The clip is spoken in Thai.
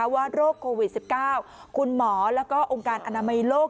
ว่าโรคโควิด๑๙คุณหมอและองค์การอนามัยโรภ